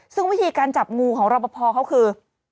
ซึ่งวิธีการจับงูของรอปภเขาคือ